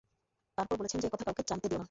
তারপর বলেছেন যে, একথা কাউকে জানতে দিও না।